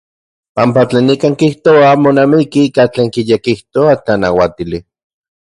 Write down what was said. Panpa tlen nikan kijtoa monamiki ika tlen kiyekijtoa tlanauatili.